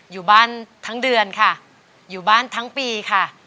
อยู่บ้านทั้งเดือนค่ะอยู่บ้านทั้งปีค่ะ